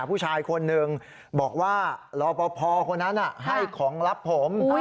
ผู้ชายคนหนึ่งบอกว่ารอปภคนนั้นให้ของรับผม